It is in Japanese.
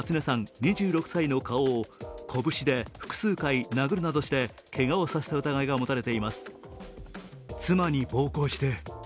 ２６歳の顔を拳で複数回殴るなどして、けがをさせた疑いが持たれています。